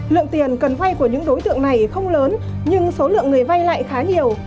lượng tiền cần vay của những đối tượng này không lớn nhưng số lượng người vay lại khá nhiều